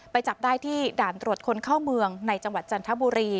จับได้ที่ด่านตรวจคนเข้าเมืองในจังหวัดจันทบุรี